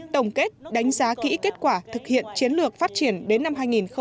tổng kết đánh giá kỹ kết quả thực hiện chiến lược phát triển đến năm hai nghìn ba mươi